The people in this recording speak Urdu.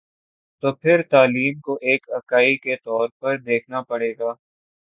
تو پھر تعلیم کو ایک اکائی کے طور پر دیکھنا پڑے گا۔